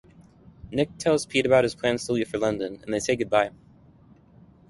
Nick tells Pete about his plans to leave for London and they say goodbye.